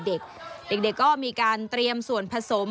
เด็กก็มีการเตรียมส่วนผสม